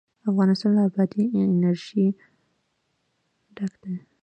افغانستان له بادي انرژي ډک دی.